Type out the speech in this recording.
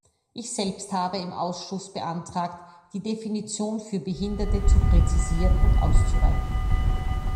Ich selbst habe im Ausschuss beantragt, die Definition für Behinderte zu präzisieren und auszuweiten.